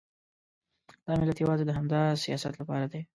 دا ملت یوازې د همدا سیاست لپاره دی.